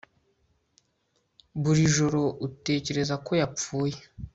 buri joro utekereza ko yapfuye